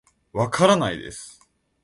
わからないです